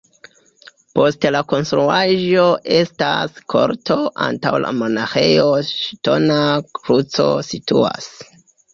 Post la konstruaĵo estas korto, antaŭ la monaĥejo ŝtona kruco situas.